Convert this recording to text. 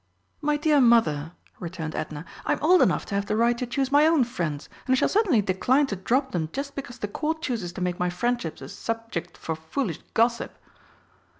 "My dear Mother," returned Edna, "I am old enough to have the right to choose my own friends, and I shall certainly decline to drop them just because the Court chooses to make my friendships a subject for foolish gossip."